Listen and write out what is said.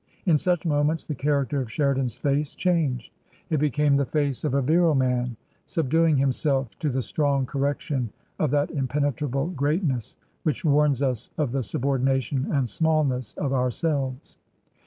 In such moments the character of Sheridan's face changed. It became the face of a virile man subduing himself to the strong correction of that impenetrable greatness which warns us of the subordination and smallness of ourselves.